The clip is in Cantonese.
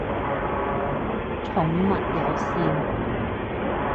寵物友善